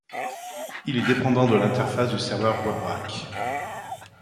Il est dépendant de l'interface du serveur Web Rack.